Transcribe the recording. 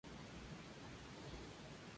¿no comimos nosotras?